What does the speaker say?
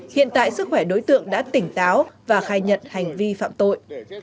hiện tại sức khỏe đối tượng đã tỉnh táo và khai nhận hành vi phạm tội